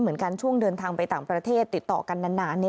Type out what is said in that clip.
เหมือนกันช่วงเดินทางไปต่างประเทศติดต่อกันนาน